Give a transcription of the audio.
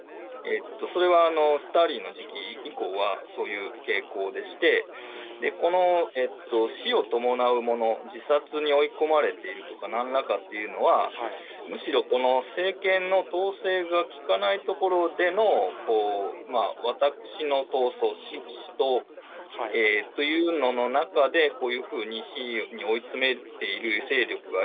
それは、スターリンの時期以降は、そういう傾向でして、この死を伴うもの、自殺に追い込まれているとか、なんらかというのは、むしろこの政権の統制が効かないところでの私のとうそう、しとうというのの中で、こういうふうに死に追い詰めている勢力が